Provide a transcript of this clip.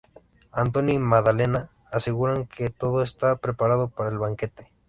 Antonio y Maddalena aseguran que todo está preparado para el banquete.